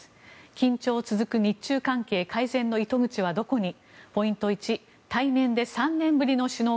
緊張続く日中関係改善の糸口はどこに。